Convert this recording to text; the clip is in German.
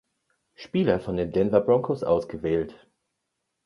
Spieler von den Denver Broncos ausgewählt.